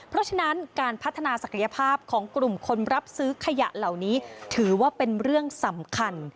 เพราะฉะนั้นการพัฒนาศักยภาพของกลุ่มคนรับซื้อขยะเหล่านี้ถือว่าเป็นเรื่องสำคัญ